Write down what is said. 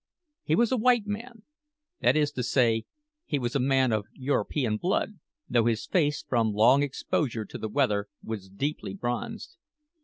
He was a white man that is to say, he was a man of European blood, though his face, from long exposure to the weather, was deeply bronzed.